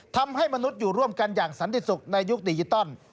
ทำให้มนุษย์อยู่ร่วมกันอย่างสันติสุขในยุคดิจิตอล